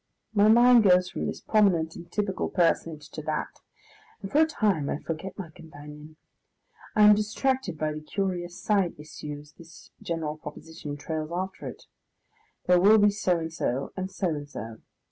My mind goes from this prominent and typical personage to that, and for a time I forget my companion. I am distracted by the curious side issues this general proposition trails after it. There will be so and so, and so and so.